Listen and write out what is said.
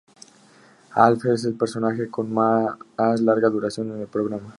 Alf es el personaje con más larga duración en el programa.